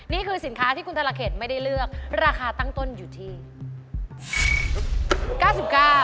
นี่คือสินค้าที่คุณธรเขตไม่ได้เลือกราคาตั้งต้นอยู่ที่๙๙บาท